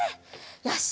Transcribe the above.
よし！